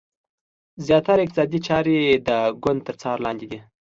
زیاتره اقتصادي چارې د ګوند تر څار لاندې دي.